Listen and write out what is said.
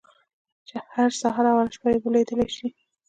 چې هر سهار او هره شپه يې وليدلای شئ.